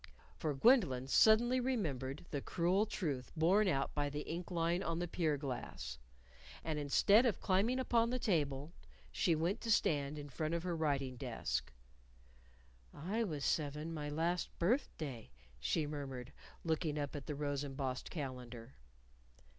For Gwendolyn suddenly remembered the cruel truth borne out by the ink line on the pier glass. And instead of climbing upon the table, she went to stand in front of her writing desk. "I was seven my last birthday," she murmured, looking up at the rose embossed calendar.